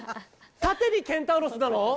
縦にケンタウロスなの？